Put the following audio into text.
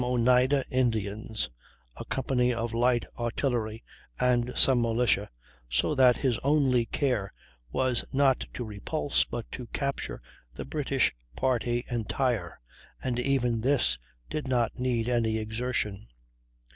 Captain Woolsey had been reinforced by some Oneida Indians, a company of light artillery, and some militia, so that his only care was, not to repulse, but to capture the British party entire, and even this did not need any exertion.